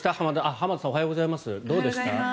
浜田さん、おはようございます。